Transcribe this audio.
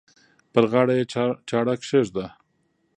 پر غاړه یې چاړه کښېږده.